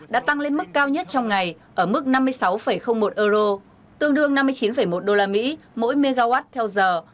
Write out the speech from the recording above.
đã tăng lên mức cao nhất trong ngày ở mức năm mươi sáu một euro tương đương năm mươi chín một đô la mỹ mỗi megawatt theo giờ